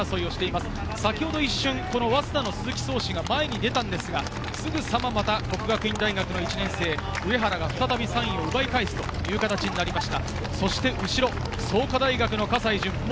先ほど一瞬早稲田の鈴木創士が前に出たんですが、すぐさま國學院大學の１年生・上原が３位を奪い返すといった形になりました。